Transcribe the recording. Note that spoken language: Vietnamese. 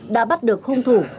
đã bắt được hung thủ